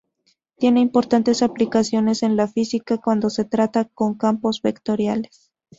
Tienen importantes aplicaciones en la física cuando se trata con campos vectoriales.